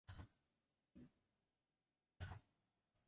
周年视差是第一个最可靠的测量最接近恒星的方法。